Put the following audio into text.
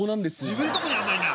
「自分とこには甘いな」。